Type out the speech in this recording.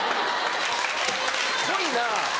濃いな。